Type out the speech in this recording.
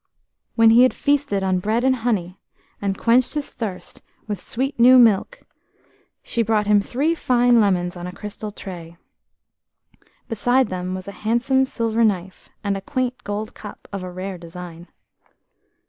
When he had feasted on bread and honey, and quenched his thirst with sweet new milk, she brought him three fine lemons on a crystal tray. Beside them was a handsome silver knife, and a quaint gold cup of rare design.